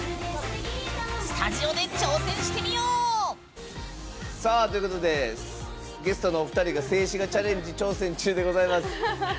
スタジオで挑戦してみよう！ということでゲストのお二人が静止画チャレンジ挑戦中でございます。